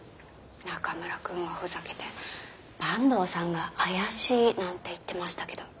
中村くんがふざけて坂東さんが怪しいなんて言ってましたけど。